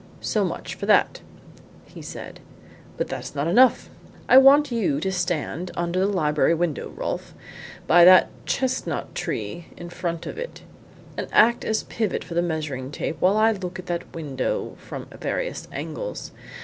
"So much for that," he said, "but that's not enough. I want you to stand under the library window, Rolfe, by that chestnut tree in front of it, and act as pivot for the measuring tape while I look at that window from various angles.